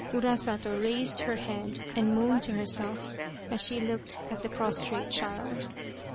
Urasato raised her head and moaned to herself as she looked at the prostrate child.